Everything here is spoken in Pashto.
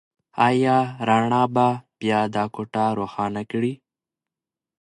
ایا رڼا به بيا دا کوټه روښانه کړي؟